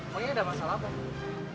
pokoknya ada masalah pak